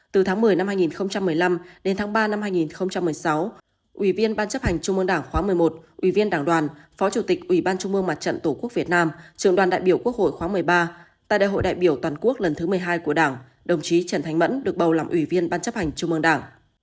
từ tháng một mươi năm hai nghìn một mươi năm đến tháng ba năm hai nghìn một mươi sáu ủy viên ban chấp hành trung mương đảng khóa một mươi một ủy viên đảng đoàn phó chủ tịch ủy ban trung mương mặt trận tổ quốc việt nam trường đoàn đại biểu quốc hội khóa một mươi ba tại đại hội đại biểu toàn quốc lần thứ một mươi hai của đảng đồng chí trần thanh mẫn được bầu làm ủy viên ban chấp hành trung mương đảng